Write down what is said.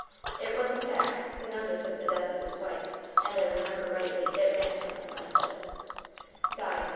It was, in fact, the notice of the death of his wife, and, if I remember rightly, it ran something like this: "'Died.